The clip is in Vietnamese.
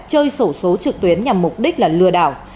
chơi sổ số trực tuyến nhằm mục đích là lừa đảo